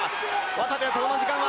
渡部はこの時間は。